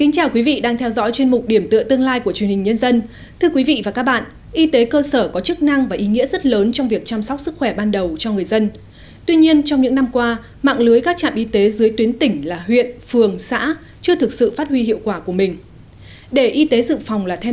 chào mừng quý vị đến với bộ phim hãy nhớ like share và đăng ký kênh của chúng mình nhé